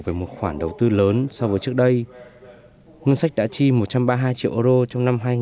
với một khoản đầu tư lớn so với trước đây nguồn sách đã chi một trăm ba mươi hai triệu euro trong năm hai nghìn một mươi tám